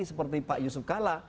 seperti pak yusuf kalla